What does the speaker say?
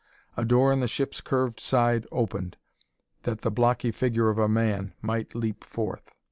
A door in the ship's curved side opened that the blocky figure of a man might leap forth.